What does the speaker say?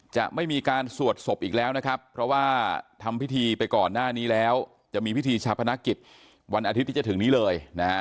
จะไม่มีการสวดศพอีกแล้วนะครับเพราะว่าทำพิธีไปก่อนหน้านี้แล้วจะมีพิธีชาพนักกิจวันอาทิตย์ที่จะถึงนี้เลยนะฮะ